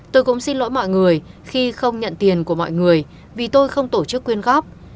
tôi cũng xin lỗi mọi người khi không nhận tiền của mọi người vì tôi không tổ chức quyên góp